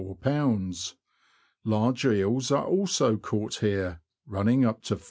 ; large eels are also caught here, running up to 41b.